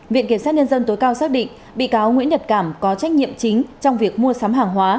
viện kiểm sát nhân dân tối cao xác định bị cáo nguyễn nhật cảm có trách nhiệm chính trong việc mua sắm hàng hóa